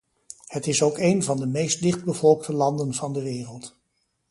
Het is ook een van meest dichtbevolkte landen van de wereld.